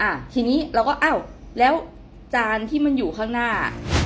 อ่าทีนี้เราก็อ้าวแล้วจานที่มันอยู่ข้างหน้า